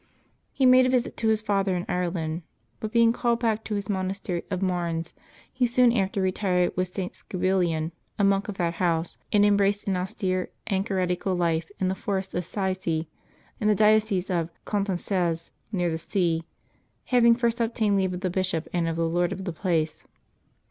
He made a visit to his father in Ireland, but being called back to his monastery of Marnes, he soon after retired with St. Scubilion, a monk of that house, and em braced an austere anchoretical life in the forests of Scicy, in the diocese of Coutances, near the sea, having first ob tained leave of the bishop and of the lord of the place.